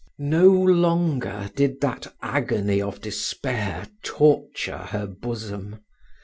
No longer did that agony of despair torture her bosom.